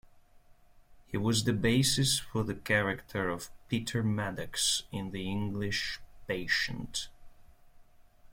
He was the basis for the character of Peter Madox in "The English Patient".